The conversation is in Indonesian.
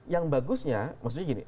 yang bagusnya maksudnya gini